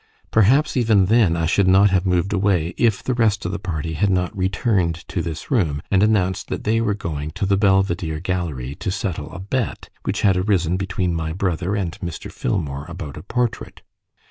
Perhaps even then I should not have moved away, if the rest of the party had not returned to this room, and announced that they were going to the Belvedere Gallery to settle a bet which had arisen between my brother and Mr. Filmore about a portrait.